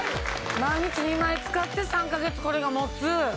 毎日２枚使って３か月これが持つ。